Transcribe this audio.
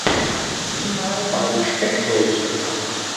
Sieh mal meine Speckröllchen an.